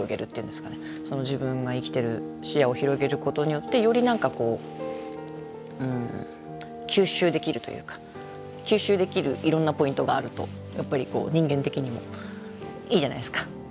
自分が生きてる視野を広げることによってより何かこう吸収できるというか吸収できるいろんなポイントがあるとやっぱりこう人間的にもいいじゃないですか。